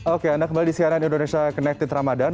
oke anda kembali di cnn indonesia connected ramadhan